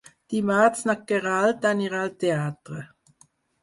Dimarts na Queralt anirà al teatre.